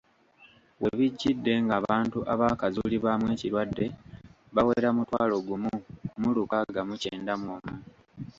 We bijjidde ng'abantu abaakazuulibwamu ekirwadde bawera mutwalo gumu mu lukaaga mu kyenda mw'omu.